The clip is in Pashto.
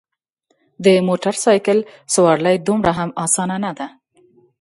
د موټرسایکل سوارلي دومره هم اسانه نده.